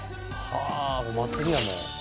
「はあお祭りやもう」